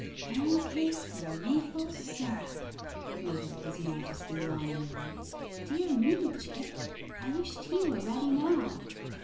"Pancakes and maple syrup!" muttered his Majesty, longingly. "Dear me, Chick; I wish tea were ready now."